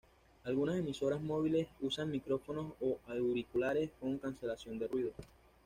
Algunas emisoras móviles usan micrófonos o auriculares con cancelación de ruido.